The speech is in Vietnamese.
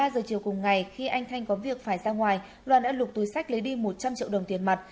ba giờ chiều cùng ngày khi anh thanh có việc phải ra ngoài loan đã lục túi sách lấy đi một trăm linh triệu đồng tiền mặt